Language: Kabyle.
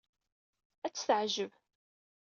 Ad tt-teɛjeb.